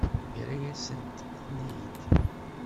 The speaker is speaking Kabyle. Yerra-yasent-ten-id?